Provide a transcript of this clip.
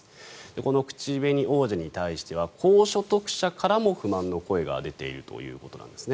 この口紅王子に対しては高所得者からも不満の声が出ているということです。